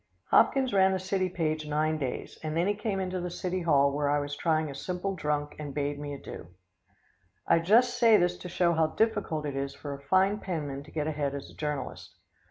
] Hopkins ran the city page nine days, and then he came into the city hall where I was trying a simple drunk and bade me adieu. I just say this to show how difficult it is for a fine penman to get ahead as a journalist.